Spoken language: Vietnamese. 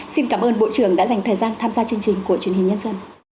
xin cảm ơn bộ trưởng đã dành thời gian tham gia chương trình của truyền hình nhân dân